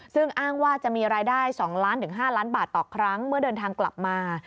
ซึ่งอ้างว่าจะมีรายได้๒ล้านถึง๕ล้านบาทต่อครั้งเมื่อเดินทางกลับมา